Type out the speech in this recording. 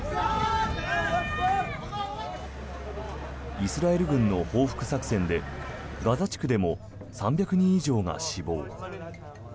イスラエル軍の報復作戦でガザ地区でも３００人以上が死亡。